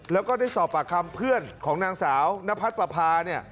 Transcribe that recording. แล้วก็ได้สอบปากคำเพื่อนของนางสาวนพัดประพาเนี่ย